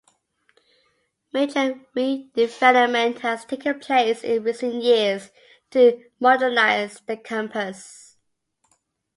Major redevelopment has taken place in recent years to modernise the campus.